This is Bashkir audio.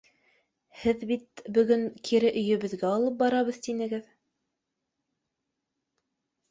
Һеҙ бит бөгөн кире өйөбөҙгә алып барабыҙ, тинегеҙ!